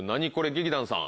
劇団さん。